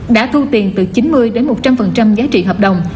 đã thu tiền từ chín mươi một trăm linh giá trị hợp đồng